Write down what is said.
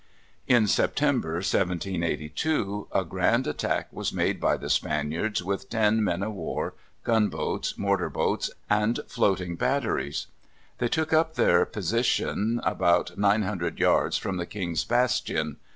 In September, 1782, a grand attack was made by the Spaniards with ten men of war, gunboats, mortar boats, and floating batteries. They took up their position about 900 yards from the King's Bastion.